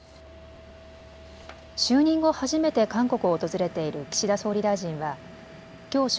就任後、初めて韓国を訪れている岸田総理大臣はきょう正